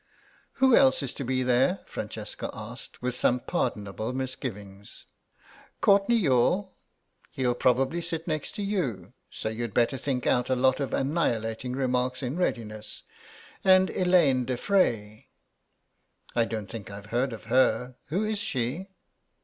"Who else is to be there?" Francesca asked, with some pardonable misgiving. "Courtenay Youghal. He'll probably sit next to you, so you'd better think out a lot of annihilating remarks in readiness. And Elaine de Frey." "I don't think I've heard of her. Who is she?"